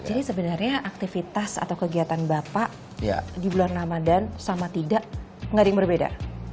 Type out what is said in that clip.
jadi sebenarnya aktivitas atau kegiatan bapak di bulan ramadan sama tidak gak ada yang berbeda